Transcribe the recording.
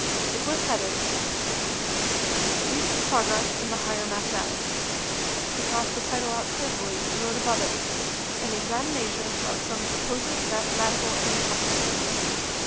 It was headed: "RECENT PROGRESS IN THE HIGHER MATHEMATICS." He crossed the title out carefully, and wrote above it: "AN EXAMINATION OF SOME SUPPOSED MATHEMATICAL IMPOSSIBILITIES."